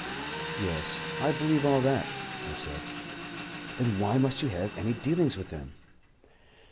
"Yes, I believe all that," I said. "Then why must you have any dealings with them?"